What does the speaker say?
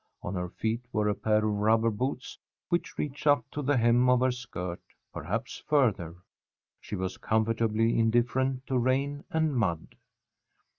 On her feet were a pair of rubber boots which reached up to the hem of her skirt, perhaps further. She was comfortably indifferent to rain and mud.